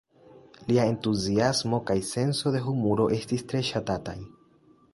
Lia entuziasmo kaj senso de humuro estis tre ŝatataj.